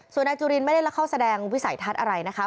ส่วนนายจุลินไม่ได้เข้าแสดงวิสัยทัศน์อะไรนะคะ